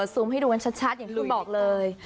ซูมให้ดูกันชัดอย่างที่บอกเลย